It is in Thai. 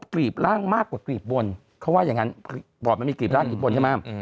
กรีบร่างมากกว่ากรีบบนเขาว่าอย่างนั้นบอดมันมีกรีบร่างกรีบบนใช่ไหม